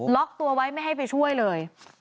ล็อกตัวไว้ไม่ให้ไปช่วยเลย